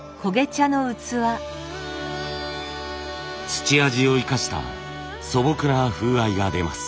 土味を生かした素朴な風合いが出ます。